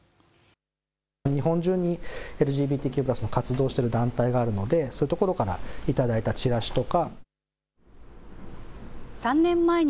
日本中にＬＧＢＴＱが活動している団体があるので、そういうところから頂いたチラシとか。